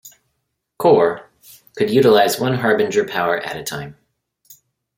Corps could utilize one Harbinger power at a time.